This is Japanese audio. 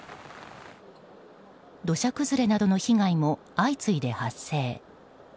土砂崩れなどの被害も相次いで発生。